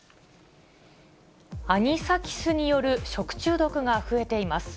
アニサキスによる食中毒が増えています。